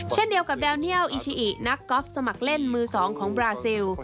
เช่นเดียวกับแดเนียลอิชิอินักกอล์ฟสมัครเล่นมือสองของบราซิล